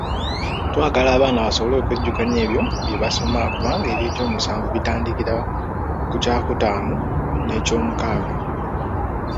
Twagala abaana basobole okwejjukanya ebyo bye basoma kubanga eby'ekyomusanvu bitandikira ku kyakutaano n'ekyomukaaga.